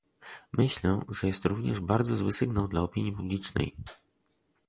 Myślę, że jest to również bardzo zły sygnał dla opinii publicznej